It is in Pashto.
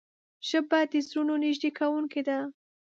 ژبه د زړونو نږدې کوونکې ده